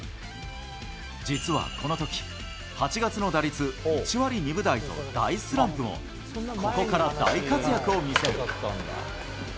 実はこのとき、８月の打率１割２分台と大スランプも、ここから大活躍を見せる。